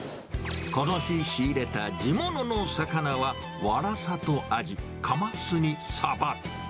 この日、仕入れた地物の魚は、ワラサとアジ、カマスにサバ。